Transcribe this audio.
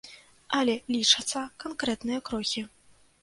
Але лічацца канкрэтныя крокі.